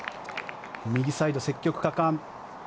右サイド積極果敢。